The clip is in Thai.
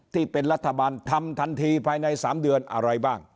ที่เป็นรัฐบาลทำทันทีภายใน๓เดือนอะไรบ้าง